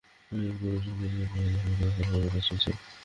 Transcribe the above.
এতে নদীটি সংকুচিত হয়ে পড়ায় দেখে মনে হবে খাল খননের কাজ চলছে।